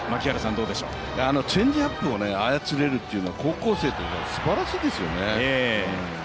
チェンジアップを操れるというのは高校生で、すばらしいですよね。